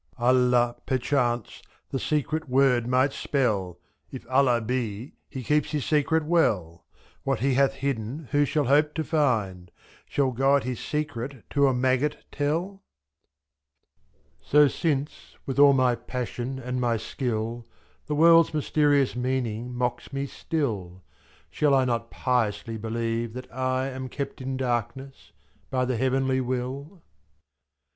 Allah, perchance, the secret word might spell ; If Allah be. He keeps His secret well ; ^c.What He hath hidden, who shall hope to find? Shall God His secret to a maggot tell? So since with all my passion and my skill. The world's mysterious meaning mocks me still. Si. Shall I not piously believe that I Am kept in darkness by the heavenly will?